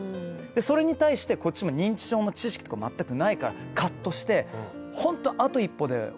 それに対してこっちも認知症の知識とか全くないからカッとしてホント。